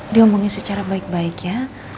dia omongin secara baik baik ya